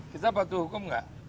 kita patuh hukum gak